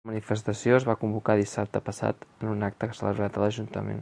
La manifestació es va convocar dissabte passat en un acte celebrat a l’ajuntament.